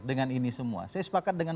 dengan ini semua saya sepakat dengan